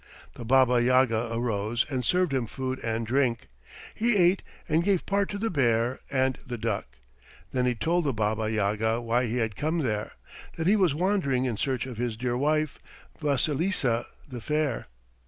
The Baba Yaga arose and served him food and drink. He ate and gave part to the bear and the duck. Then he told the Baba Yaga why he had come there that he was wandering in search of his dear wife, Vasilisa the Fair.